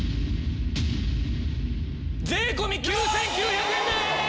税込９９００円です！